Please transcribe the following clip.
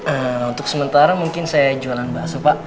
eee untuk sementara mungkin saya jualan bahasa pak